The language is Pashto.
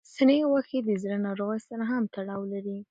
سرې غوښې د زړه ناروغۍ سره هم تړاو لري.